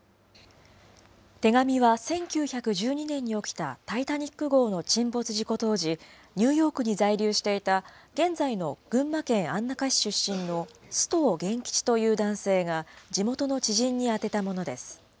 手紙は１９１２年に起きたタイタニック号の沈没事故当時、ニューヨークに在留していた、現在の群馬県安中市出身の須藤元吉という男性が、地元の知人に宛てたものです。